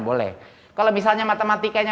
boleh kalau misalnya matematika ini